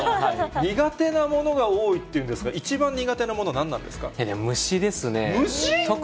苦手なものが多いっていうんですか、一番苦手なもの何なんですか。